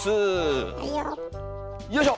よいしょ！